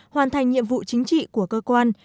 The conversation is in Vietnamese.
hoàn thành nhiệm vụ chính trị của cơ quan